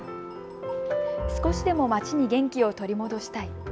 少しでも街に元気を取り戻したい。